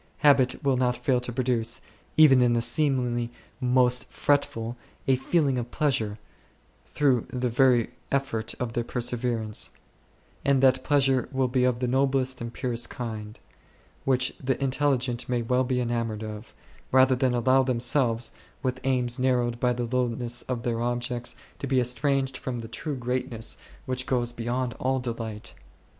Habit will not fail to produce, even in the seemingly most fretful 6, a feeling of pleasure through the very effort of their perseverance ; and that pleasure will be of the noblest and purest kind ; which the intelligent may well be •enamoured of, rather than allow themselves, with aims narrowed by the lowness of their objects, to be estranged from the true greatness which goes beyond all thought.